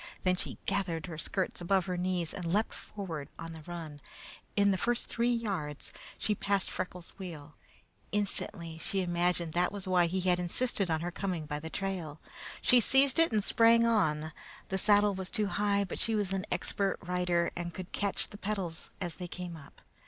Then she gathered her skirts above her knees and leaped forward on the run. In the first three yards she passed Freckles' wheel. Instantly she imagined that was why he had insisted on her coming by the trail. She seized it and sprang on. The saddle was too high, but she was an expert rider and could catch the pedals as they came up.